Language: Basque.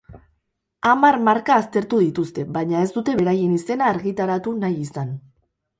Hamar marka aztertu dituzte, baina ez dute beraien izena argitaratu nahi izan.